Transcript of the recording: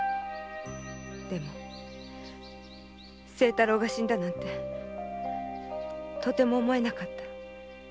でも清太郎が死んだなんてとても思えなかった。